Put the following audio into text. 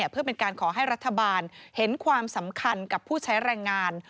เพื่อเป็นการขอให้รัฐบาลเห็นความสำคัญกับผู้ใช้แรงงาน